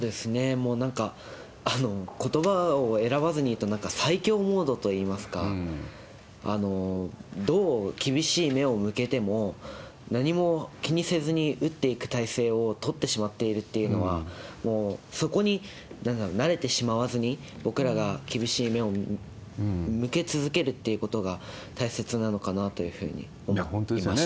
もうなんか、ことばを選ばずに言うと、なんか最強モードといいますか、どう厳しい目を向けても、何も気にせずに撃っていく体制を取ってしまっているっていうのは、もうそこにだんだん慣れてしまわずに、僕らが厳しい目を向け続けるっていうことが大切なのかなというふいや、本当ですよね。